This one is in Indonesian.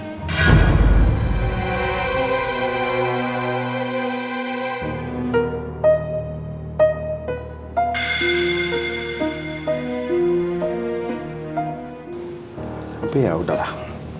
tapi ya udahlah